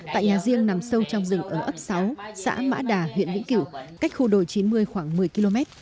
tại nhà riêng nằm sâu trong rừng ở ấp sáu xã mã đà huyện vĩnh kiểu cách khu đồ chín mươi khoảng một mươi km